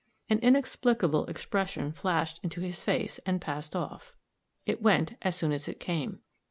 An inexplicable expression flashed into his face and passed off; it went as soon as it came.